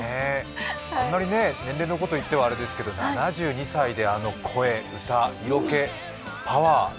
あんまり年齢のことを言ってもあれですけど７２歳であの声、歌、色気、パワー。